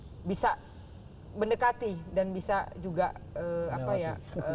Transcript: dan bisa mendekati dan bisa juga apa ya